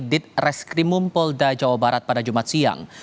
ditreskrimum polda jawa barat pada jumat siang